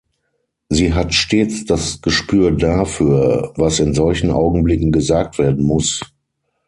Sie hat stets das Gespür dafür, was in solchen Augenblicken gesagt werden muss.